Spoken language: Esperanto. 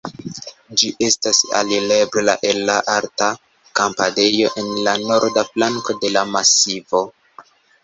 Ĝi estas alirebla el alta kampadejo en la norda flanko de la masivo.